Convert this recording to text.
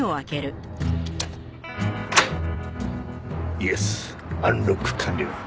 イエスアンロック完了。